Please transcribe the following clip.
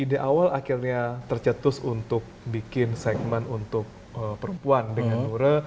ide awal akhirnya tercetus untuk bikin segmen untuk perempuan dengan nura